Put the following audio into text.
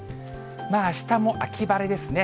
あしたも秋晴れですね。